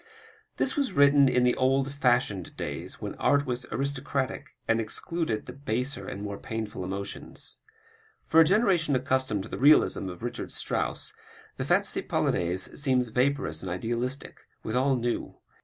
This was written in the old fashioned days, when art was aristocratic and excluded the "baser" and more painful emotions. For a generation accustomed to the realism of Richard Strauss, the Fantaisie Polonaise seems vaporous and idealistic, withal new.